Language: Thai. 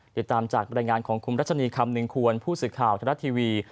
ติดตามจากบรรยายงานของคุณรัชนีคำหนึ่งควรผู้สื่อข่าวธนรัฐทีวี